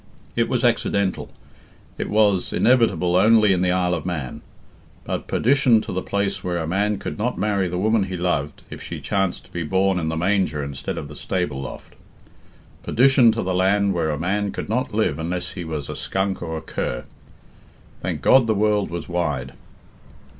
It was accidental; it was inevitable only in the Isle of Man. But perdition to the place where a man could not marry the woman he loved if she chanced to be born in the manger instead of the stable loft. Perdition to the land where a man could not live unless he was a skunk or a cur. Thank God the world was wide.